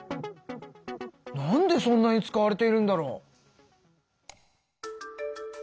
なんでそんなに使われているんだろう？